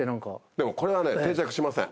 でもこれはね定着しません。